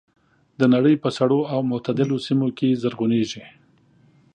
د نړۍ په سړو او معتدلو سیمو کې زرغونېږي.